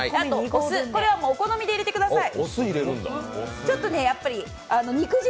お酢は、お好みで入れてください。